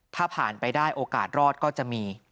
ถ้าผ่านไปได้โอกาสรอดก็จะมี